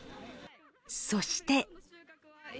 そして。